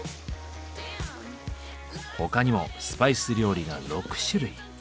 他にもスパイス料理が６種類。